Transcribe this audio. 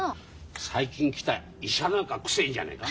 最近来た医者なんかくせえんじゃねえか？